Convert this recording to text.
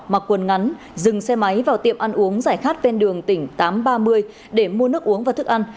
mặc quần ngắn dừng xe máy vào tiệm ăn uống giải khát ven đường tỉnh tám trăm ba mươi để mua nước uống và thức ăn